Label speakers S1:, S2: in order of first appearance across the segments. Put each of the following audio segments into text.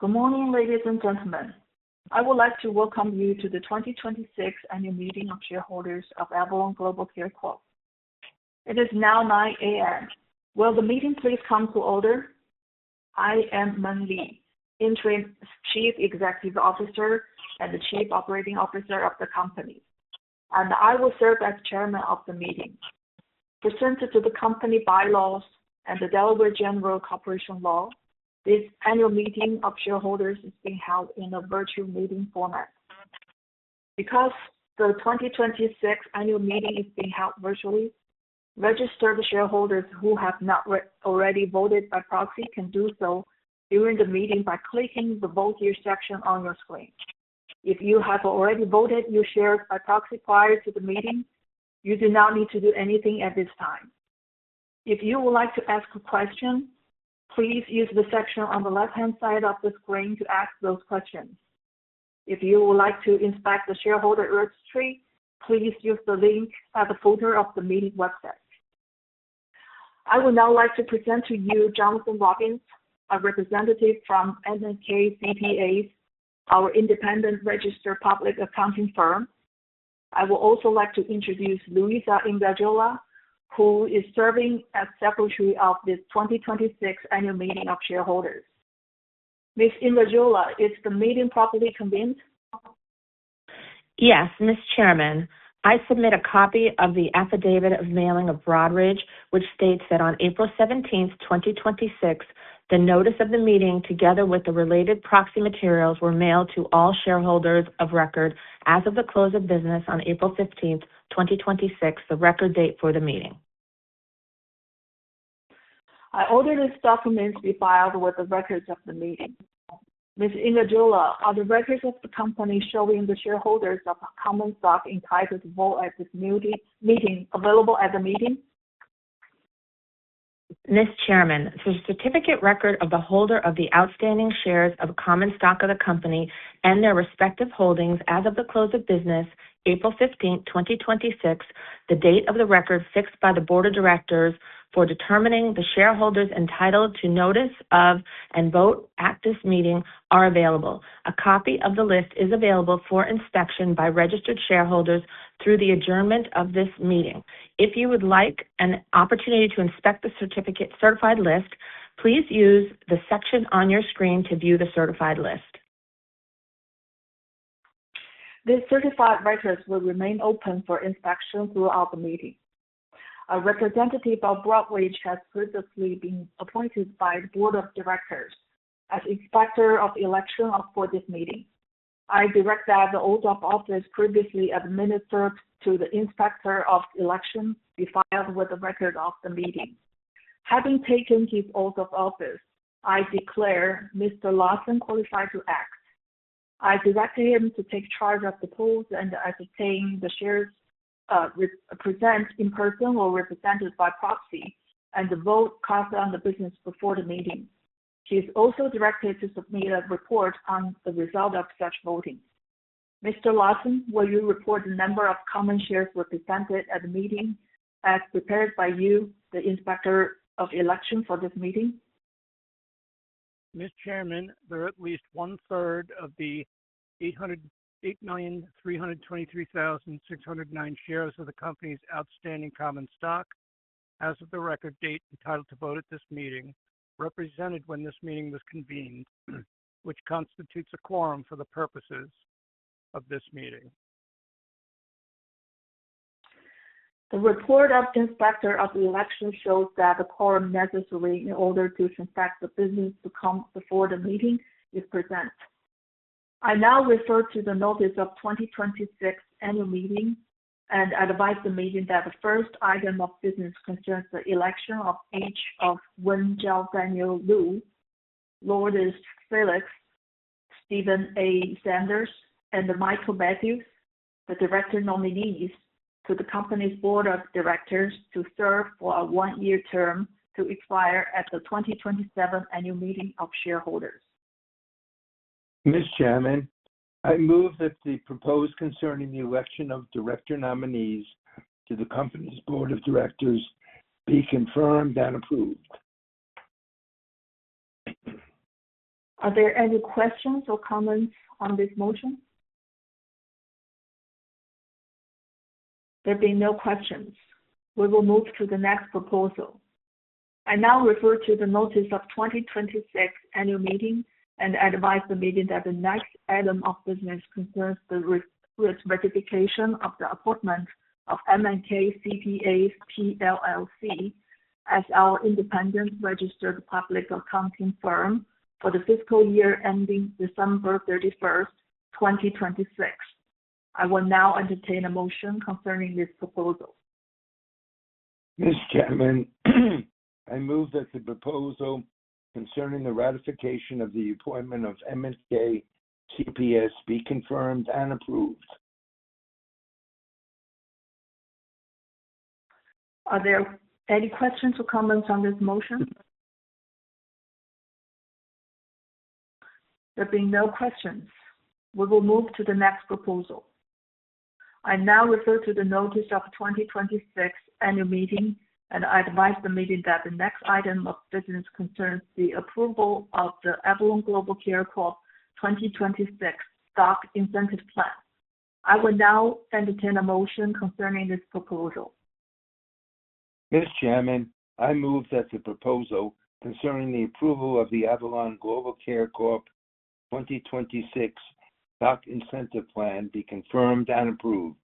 S1: Good morning, ladies and gentlemen. I would like to welcome you to the 2026 annual meeting of shareholders of Avalon GloboCare Corp. It is now 9:00 A.M. Will the meeting please come to order? I am Meng Li, Interim Chief Executive Officer and Chief Operating Officer of the company, and I will serve as Chairman of the meeting. Pursuant to the company bylaws and the Delaware General Corporation Law, this annual meeting of shareholders is being held in a virtual meeting format. Because the 2026 annual meeting is being held virtually, registered shareholders who have not already voted by proxy can do so during the meeting by clicking the Vote Here section on your screen. If you have already voted your shares by proxy prior to the meeting, you do not need to do anything at this time. If you would like to ask a question, please use the section on the left-hand side of the screen to ask those questions. If you would like to inspect the shareholder registry, please use the link at the footer of the meeting website. I would now like to present to you Jonathan Watkins, a representative from M&K CPAs, our independent registered public accounting firm. I would also like to introduce Luisa Ingargiola, who is serving as Secretary of this 2026 annual meeting of shareholders. Ms. Ingargiola, is the meeting properly convened?
S2: Yes, Ms. Chairman. I submit a copy of the affidavit of mailing of Broadridge, which states that on April 17th, 2026, the notice of the meeting, together with the related proxy materials, were mailed to all shareholders of record as of the close of business on April 15th, 2026, the record date for the meeting.
S1: I order this document to be filed with the records of the meeting. Ms. Ingargiola, are the records of the company showing the shareholders of common stock entitled to vote at this meeting available at the meeting?
S3: Ms. Chairman, the certificate record of the holder of the outstanding shares of common stock of the company and their respective holdings as of the close of business April 15th, 2026, the date of the record fixed by the board of directors for determining the shareholders entitled to notice of and vote at this meeting are available. A copy of the list is available for inspection by registered shareholders through the adjournment of this meeting. If you would like an opportunity to inspect the certified list, please use the section on your screen to view the certified list.
S1: This certified records will remain open for inspection throughout the meeting. A representative of Broadridge has previously been appointed by the board of directors as Inspector of Election for this meeting. I direct that the oath of office previously administered to the Inspector of Election be filed with the record of the meeting. Having taken his oath of office, I declare Mr. Lawson qualified to act. I direct him to take charge of the polls and entertain the shares present in person or represented by proxy and the vote cast on the business before the meeting. He is also directed to submit a report on the result of such voting. Mr. Lawson, will you report the number of common shares represented at the meeting as prepared by you, the Inspector of Election for this meeting?
S3: Ms. Chairman, there are at least one-third of the 8,323,609 shares of the company's outstanding common stock as of the record date entitled to vote at this meeting, represented when this meeting was convened, which constitutes a quorum for the purposes of this meeting.
S1: The report of Inspector of the Election shows that a quorum necessary in order to transact the business to come before the meeting is present. I now refer to the notice of 2026 annual meeting and advise the meeting that the first item of business concerns the election of each of Wenzhao Daniel Lu, Lourdes Felix, Steven A. Sanders, and Michael Mathews, the director nominees to the company's board of directors to serve for a one-year term to expire at the 2027 annual meeting of shareholders.
S4: Ms. Chairman, I move that the proposal concerning the election of director nominees to the company's board of directors be confirmed and approved.
S1: Are there any questions or comments on this motion? There being no questions, we will move to the next proposal. I now refer to the notice of 2026 annual meeting and advise the meeting that the next item of business concerns the ratification of the appointment of M&K CPAS, PLLC as our independent registered public accounting firm for the fiscal year ending December 31st, 2026. I will now entertain a motion concerning this proposal.
S4: Ms. Chairman, I move that the proposal concerning the ratification of the appointment of M&K CPAS be confirmed and approved.
S1: Are there any questions or comments on this motion? There being no questions, we will move to the next proposal. I now refer to the notice of 2026 annual meeting, and I advise the meeting that the next item of business concerns the approval of the Avalon GloboCare Corp. 2026 stock incentive plan. I will now entertain a motion concerning this proposal.
S4: Ms. Chairman, I move that the proposal concerning the approval of the Avalon GloboCare Corp. 2026 stock incentive plan be confirmed and approved.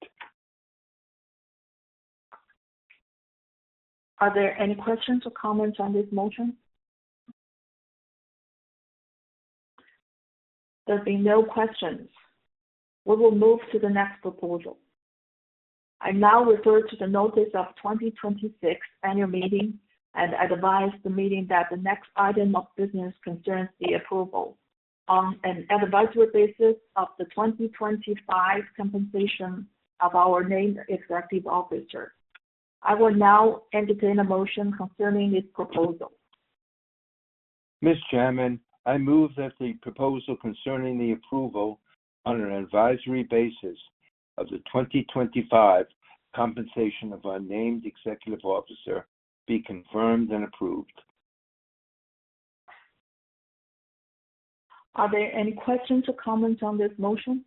S1: Are there any questions or comments on this motion? There being no questions, we will move to the next proposal. I now refer to the notice of 2026 annual meeting and advise the meeting that the next item of business concerns the approval on an advisory basis of the 2025 compensation of our named executive officer. I will now entertain a motion concerning this proposal.
S4: Ms. Chairman, I move that the proposal concerning the approval on an advisory basis of the 2025 compensation of our named executive officer be confirmed and approved.
S1: Are there any questions or comments on this motion?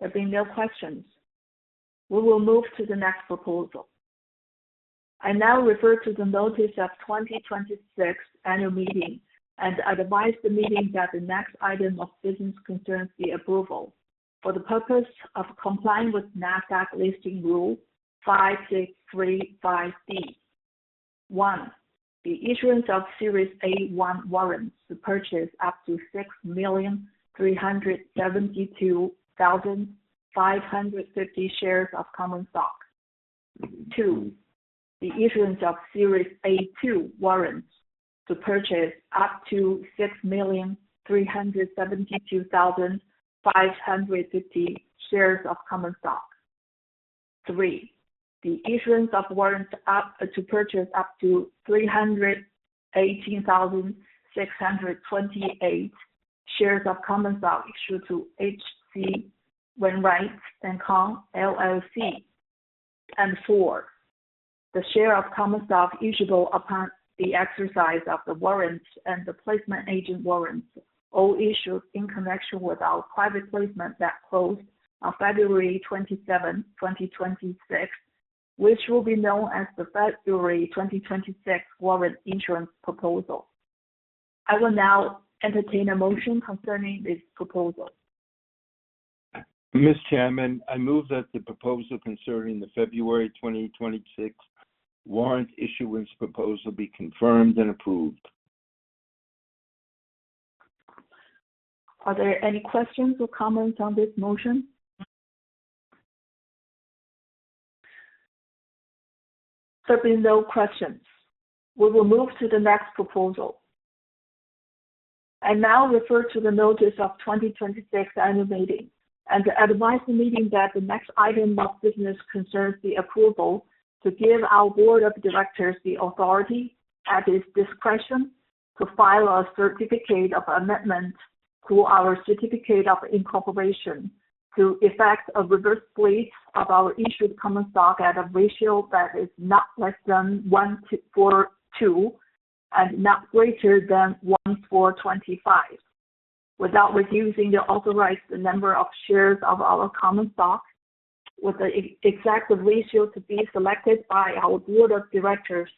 S1: There being no questions, we will move to the next proposal. I now refer to the notice of 2026 annual meeting and advise the meeting that the next item of business concerns the approval for the purpose of complying with NASDAQ Listing Rule 5635. One, the issuance of Series A-1 warrants to purchase up to 6,372,550 shares of common stock. Two, the issuance of Series A-2 warrants to purchase up to 6,372,550 shares of common stock. Three, the issuance of warrants to purchase up to 318,628 shares of common stock issued to H.C. Wainwright & Co., LLC. 4, the share of common stock issuable upon the exercise of the warrants and the placement agent warrants all issued in connection with our private placement that closed on February 27th, 2026, which will be known as the February 2026 Warrant Issuance Proposal. I will now entertain a motion concerning this proposal.
S4: Ms. Chairman, I move that the proposal concerning the February 2026 Warrant Issuance Proposal be confirmed and approved.
S1: Are there any questions or comments on this motion? There being no questions, we will move to the next proposal. I now refer to the notice of 2026 annual meeting and advise the meeting that the next item of business concerns the approval to give our Board of Directors the authority, at its discretion, to file a certificate of amendment to our certificate of incorporation to effect a reverse split of our issued common stock at a ratio that is not less than 1 to 42 and not greater than 1 to 425, without reducing or authorized the number of shares of our common stock with the exact ratio to be selected by our Board of Directors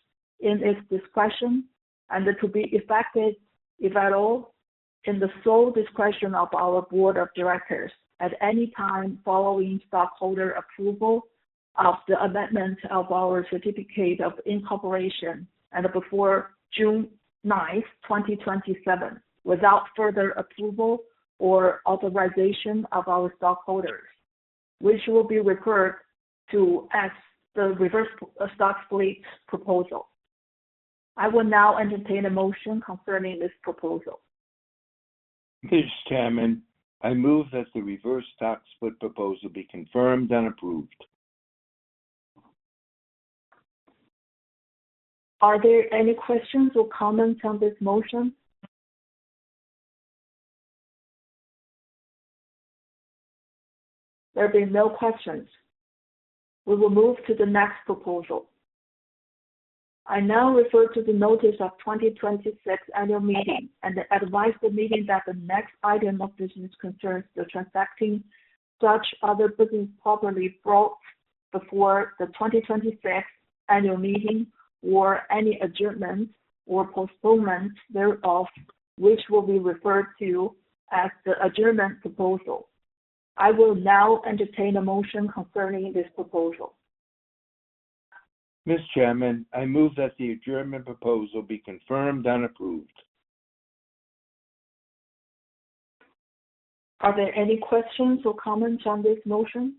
S1: in its discretion and to be effected, if at all, in the sole discretion of our Board of Directors at any time following stockholder approval of the amendment of our certificate of incorporation and before June 9th, 2027, without further approval or authorization of our stockholders, which will be referred to as the Reverse Stock Split Proposal. I will now entertain a motion concerning this proposal.
S4: Ms. Chairman, I move that the reverse stock split proposal be confirmed and approved.
S1: Are there any questions or comments on this motion? There being no questions, we will move to the next proposal. I now refer to the notice of 2026 annual meeting and advise the meeting that the next item of business concerns the transacting such other business properly brought before the 2026 annual meeting or any adjournment or postponement thereof, which will be referred to as the adjournment proposal. I will now entertain a motion concerning this proposal.
S4: Ms. Chairman, I move that the adjournment proposal be confirmed and approved.
S1: Are there any questions or comments on this motion?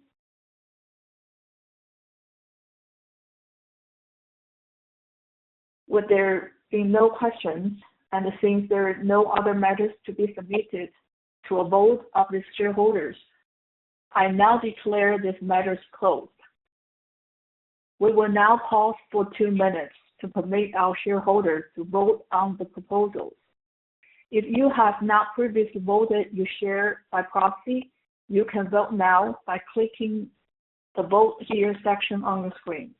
S1: With there being no questions and it seems there are no other matters to be submitted to a vote of the shareholders, I now declare this matter closed. We will now pause for 2 minutes to permit our shareholders to vote on the proposals. If you have not previously voted your share by proxy, you can vote now by clicking the Vote Here section on the screen.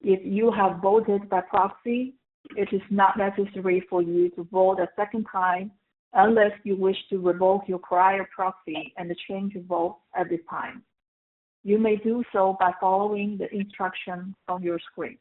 S1: If you have voted by proxy, it is not necessary for you to vote a second time unless you wish to revoke your prior proxy and change your vote at this time. You may do so by following the instructions on your screen.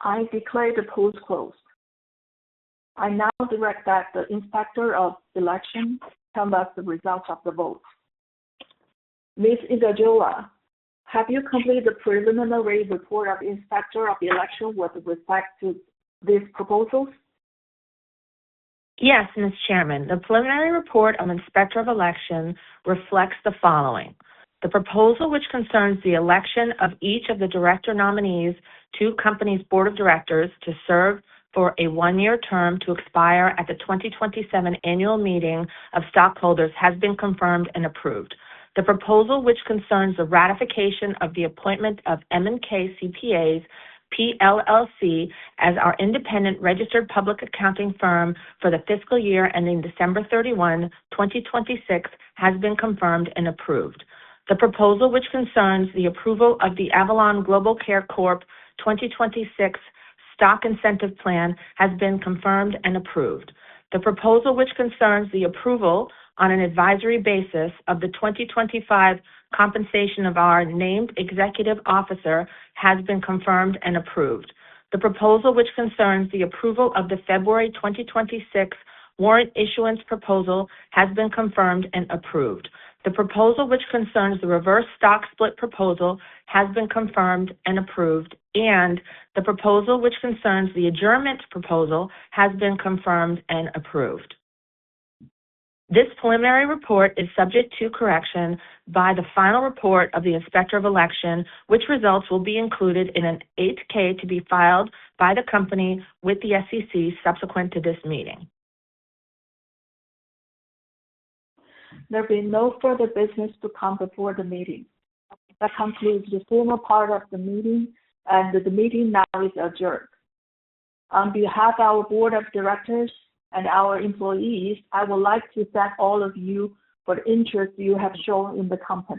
S1: I declare the polls closed. I now direct that the Inspector of Election count us the results of the votes. Ms. Ijeoma, have you completed the preliminary report of Inspector of the Election with respect to these proposals?
S3: Yes, Ms. Chairman. The preliminary report of Inspector of the Election reflects the following. The proposal which concerns the election of each of the director nominees to Company's Board of Directors to serve for a 1-year term to expire at the 2027 Annual Meeting of Stockholders has been confirmed and approved. The proposal which concerns the ratification of the appointment of M&K CPAs, PLLC, as our independent registered public accounting firm for the fiscal year ending December 31, 2026, has been confirmed and approved. The proposal which concerns the approval of the Avalon GloboCare Corp. 2026 stock incentive plan has been confirmed and approved. The proposal which concerns the approval on an advisory basis of the 2025 compensation of our named executive officer has been confirmed and approved. The proposal which concerns the approval of the February 2026 warrant issuance proposal has been confirmed and approved. The proposal which concerns the reverse stock split proposal has been confirmed and approved. The proposal which concerns the adjournment proposal has been confirmed and approved. This preliminary report is subject to correction by the final report of the Inspector of the Election, which results will be included in an 8-K to be filed by the company with the SEC subsequent to this meeting.
S1: There will be no further business to come before the meeting. That concludes the formal part of the meeting. The meeting now is adjourned. On behalf of our board of directors and our employees, I would like to thank all of you for the interest you have shown in the company.